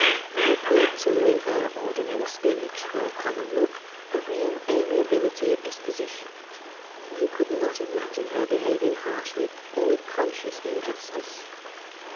There appeared, too, in her ordinary speech, her common look, a real amiability of disposition; one could not imagine her behaving harshly or with conscious injustice.